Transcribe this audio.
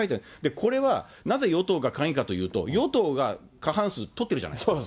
これは、なぜ与党が鍵かというと、与党が過半数取ってるじゃないですか。